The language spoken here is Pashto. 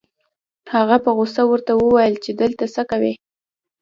هغه په غصه ورته وويل چې دلته څه کوې؟